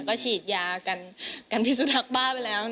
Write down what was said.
ก็ฉีดยากันพิสุทักษบ้าไปแล้ว